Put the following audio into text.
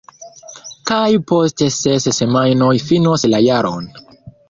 Kaj post ses semajnoj finos la jaron.